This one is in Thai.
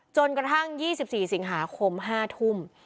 จนกระทั่ง๒๔สิงหาคม๕ทุ่ม